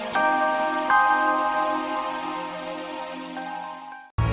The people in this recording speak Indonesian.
sampai jumpa lagi